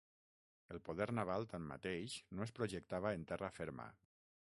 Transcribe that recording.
El poder naval, tanmateix, no es projectava en terra ferma.